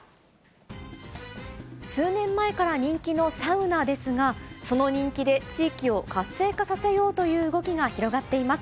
数年前から人気のサウナですが、その人気で地域を活性化させようという動きが広がっています。